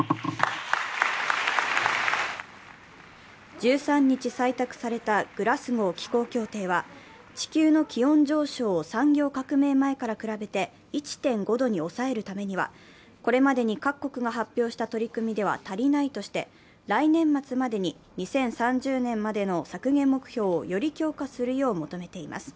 １３日採択されたグラスゴー気候協定は地球の気温上昇を産業革命前から比べて１．５度に抑えるためにはこれまでに各国が発表した取り組みでは足りないとして、来年末までに２０３０年までの削減目標をより強化するよう求めています。